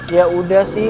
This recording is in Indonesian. ya udah sih